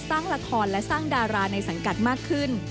สร้างละครและสร้างดาราในสังกัดมากขึ้น